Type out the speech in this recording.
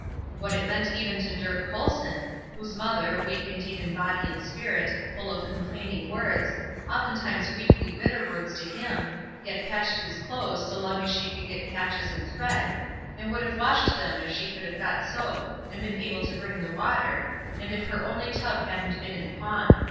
what it meant even to Dirk Colson, whose mother, weak indeed in body and spirit, full of complaining words, oftentimes weakly bitter words to him, yet patched his clothes so long as she could get patches and thread, and would have washed them if she could have got soap, and been able to bring the water, and if her only tub hadn't been in pawn.